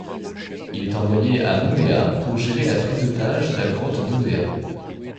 Il est envoyé à Nouméa pour gérer la prise d’otages de la grotte d’Ouvéa.